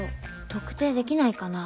特定できないかな？